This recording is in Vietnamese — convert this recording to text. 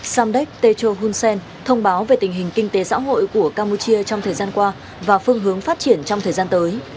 samdek techo hun sen thông báo về tình hình kinh tế xã hội của campuchia trong thời gian qua và phương hướng phát triển trong thời gian tới